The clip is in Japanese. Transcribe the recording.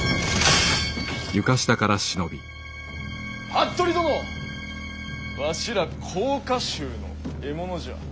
服部殿わしら甲賀衆の獲物じゃ。